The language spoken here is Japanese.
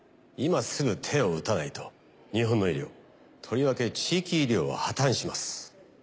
今すぐ手を打たないと日本の医療とりわけ地域医療は破綻します。